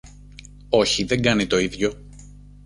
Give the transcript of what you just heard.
Όχι, δεν κάνει το ίδιο